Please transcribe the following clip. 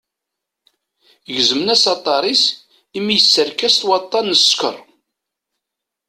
Gezmen-as aṭar-is, imi ysserka-as-t waṭṭan n ssker.